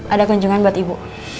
ada kunjungan buat ibu